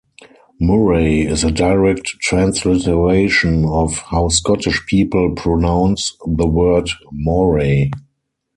"Murray" is a direct transliteration of how Scottish people pronounce the word "Moray".